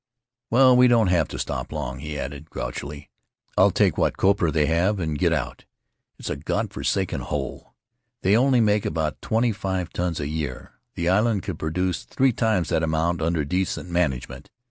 "Well, we won't have to step long," he added, grouchiiy. "T'll take what copra they have and get out. It's a God forsaken hole. They only make about twenty five tons a year. The island could pro duce three times that amount under decent manage ment.